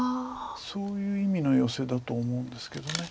そういう意味のヨセだと思うんですけど。